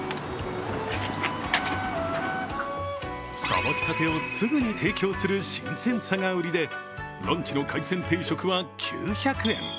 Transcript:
さばきたてをすぐに提供する新鮮さが売りで、ランチの海鮮定食は９００円。